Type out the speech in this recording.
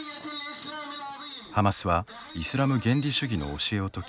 ハマスはイスラム原理主義の教えを説き